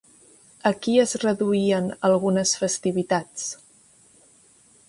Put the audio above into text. A qui es reduïen algunes festivitats?